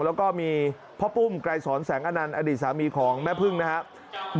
แล้วก็มีพ่อปุ้มไกรสอนแสงอนันต์อดีตสามีของแม่พึ่งนะครับ